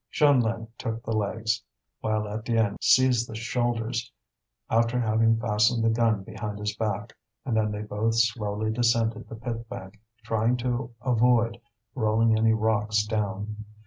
Jeanlin took the legs, while Étienne seized the shoulders, after having fastened the gun behind his back, and then they both slowly descended the pit bank, trying to avoid rolling any rocks down.